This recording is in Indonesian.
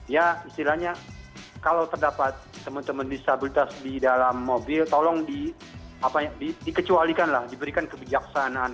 ya istilahnya kalau terdapat teman teman disabilitas di dalam mobil tolong dikecualikan lah diberikan kebijaksanaan